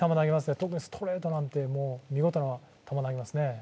特にストレートなんて、見事な球を投げますね。